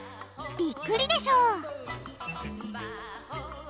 びっくりでしょ